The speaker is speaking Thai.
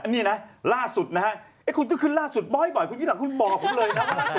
นี่นะล่าสุดนะฮะคุณก็ขึ้นล่าสุดบ่อยคุณยิ่งรักคุณบอกผมเลยนะ